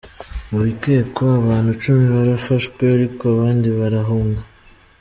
Mu bikekwa, abantu cumi barafashwe ariko abandi barahunga.